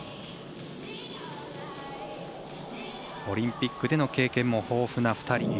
オリンピックでの経験も豊富な２人。